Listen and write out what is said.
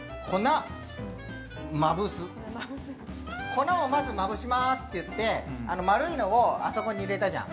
粉をまずまぶしまーすって言ってあの丸いのをあそこに入れたじゃん。